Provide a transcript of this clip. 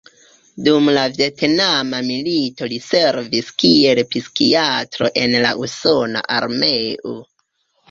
Dum la Vjetnama milito li servis kiel psikiatro en la usona armeo.